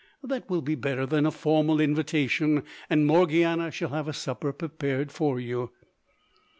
That will be better than a formal invitation, and Morgiana shall have a supper prepared for you."